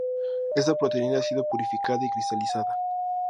Esta proteína ha sido purificada y cristalizada.